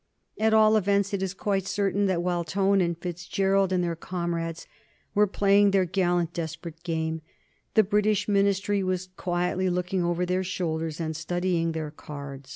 At all events, it is quite certain that while Tone and Fitzgerald and their comrades were playing their gallant, desperate game, the British Minister was quietly looking over their shoulders and studying their cards.